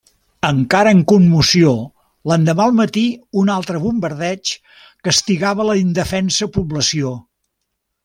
Encara en commoció, l'endemà al matí un altre bombardeig castigava la indefensa població.